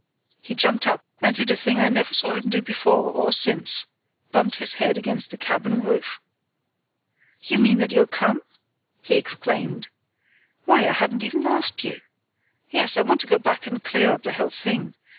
He jumped up, and did a thing I never saw him do before or since—bumped his head against the cabin roof. "You mean that you'll come?" he exclaimed. "Why, I hadn't even asked you! Yes, I want to go back and clear up the whole thing.